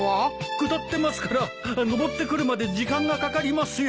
下ってますから上ってくるまで時間がかかりますよ。